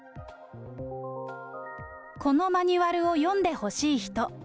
このマニュアルを読んでほしい人。